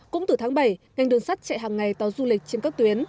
cũng từ tháng bảy ngành đường sắt chạy hàng ngày tàu du lịch trên các tuyến